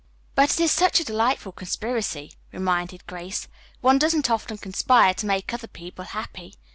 "But it is such a delightful conspiracy," reminded Grace. "One doesn't often conspire to make other people happy.